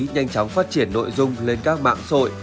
nhanh chóng phát triển nội dung lên các mạng sội